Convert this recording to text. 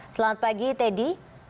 selamat pagi teddy